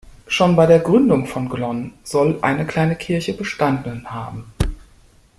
Schon bei der Gründung von Glonn soll eine kleine Kirche bestanden haben.